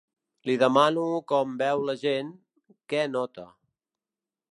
Li demano com veu la gent, què nota.